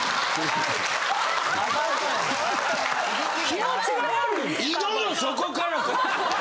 気持ちが悪いねん。